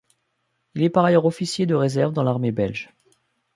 Il est par ailleurs officier de réserve dans l'armée belge.